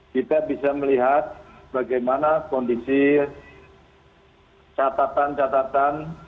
kita bisa melihat bagaimana kondisi catatan catatan